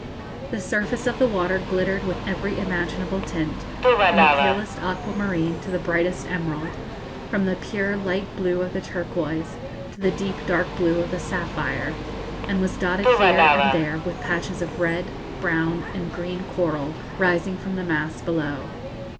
The surface of the water glittered with every imaginable tint, from the palest aquamarine to the brightest emerald, from the pure light blue of the turquoise to the deep dark blue of the sapphire, and was dotted here and there with patches of red, brown, and green coral, rising from the mass below.